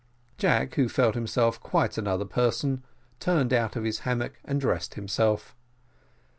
Jack, who felt himself quite another person, turned out of his hammock and dressed himself.